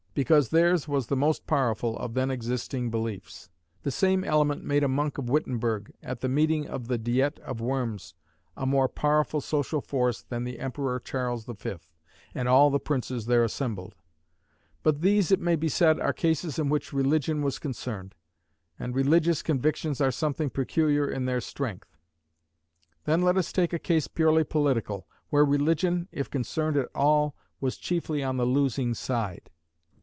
Because theirs was the most powerful of then existing beliefs. The same element made a monk of Wittenberg, at the meeting of the Diet of Worms, a more powerful social force than the Emperor Charles the Fifth, and all the princes there assembled. But these, it may be said, are cases in which religion was concerned, and religious convictions are something peculiar in their strength. Then let us take a case purely political, where religion, if concerned at all, was chiefly on the losing side.